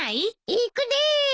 行くです！